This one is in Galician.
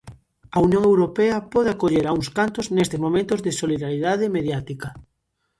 A Unión Europea pode acoller a uns cantos nestes momentos de solidariedade mediática.